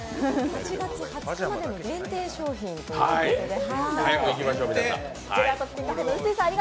８月２０日までの限定商品ということです。